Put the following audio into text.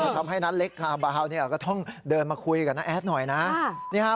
ทำให้น้าเล็กคาบาวเนี่ยก็ต้องเดินมาคุยกับน้าแอดหน่อยนะ